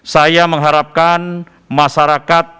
saya mengharapkan masyarakat